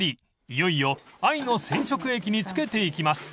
［いよいよ藍の染色液に漬けていきます］